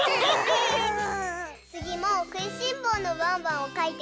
つぎもくいしんぼうのワンワンをかいてくれたよ。